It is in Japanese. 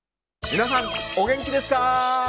皆さんお元気ですか？